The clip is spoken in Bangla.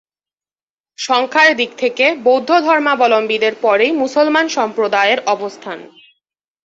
সংখ্যার দিক থেকে বৌদ্ধ ধর্মাবলম্বীদের পরেই মুসলমান সম্প্রদায়ের অবস্থান।